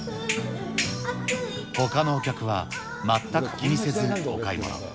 ほかのお客は、全く気にせずお買い物。